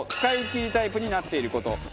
使い切りタイプになっている事。